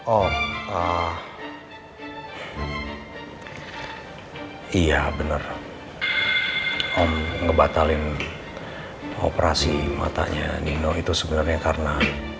oh iya bener om ngebatalin operasi matanya nino itu sebenarnya karena